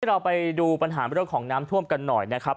เดี๋ยวเราไปดูปัญหาบริษัทของน้ำท่วมกันหน่อยนะครับ